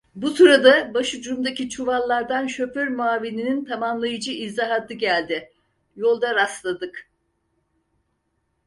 Bu sırada başucumdaki çuvallardan şoför muavininin tamamlayıcı izahatı geldi: "Yolda rastladık…"